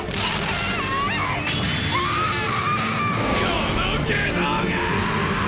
この外道がぁ‼